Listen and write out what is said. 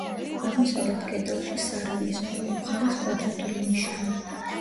აღმოსავლეთ კედელში, სარკმლის ორივე მხარეს კვადრატული ნიშაა.